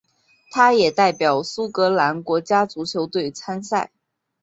他也代表苏格兰国家足球队参赛。